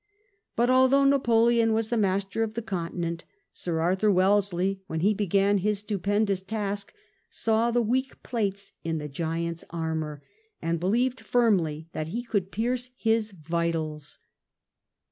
But, although Napoleon was the master of the continent, Sir Arthur Wellesley, when he began his stupendous task, saw the weak plates in the giant's armour, and believed firmly that he could pierce his vitals.